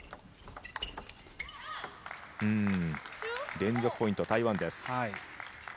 連続ポイント、台湾です。